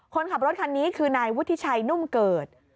คนขับรถคันนี้คือนายวุฒิชัยนุ่มเกิด